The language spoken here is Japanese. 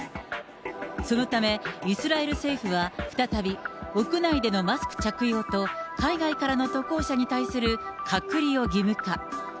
そのため、イスラエル政府は再び屋内でのマスク着用と、海外からの渡航者に対する隔離を義務化。